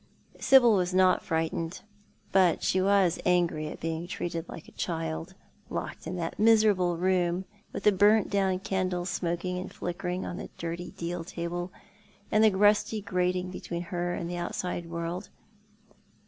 Sibyl was not frightened, but she was angry at being treated like a child, locked in that miserable room, with the burnt down candles smoking and flickering on the dirty deal table, and the rusty grating between her and the outside world.